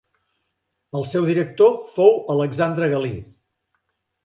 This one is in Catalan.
El seu director fou Alexandre Galí.